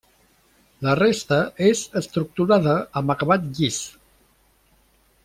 La resta és estructurada amb acabat llis.